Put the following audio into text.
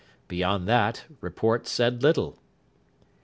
Beyond that, report said little.